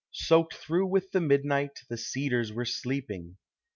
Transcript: Soaked through with the midnight, the cedars were sleeping.